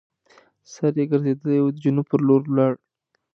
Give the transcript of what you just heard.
سر یې ګرځېدلی وو د جنوب پر لور لاړ.